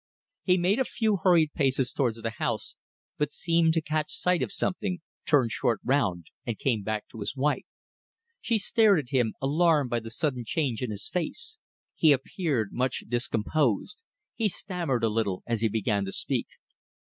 He made a few hurried paces towards the house, but seemed to catch sight of something, turned short round and came back to his wife. She stared at him, alarmed by the sudden change in his face. He appeared much discomposed. He stammered a little as he began to speak.